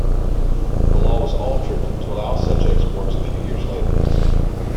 The law was altered to allow such exports a few years later.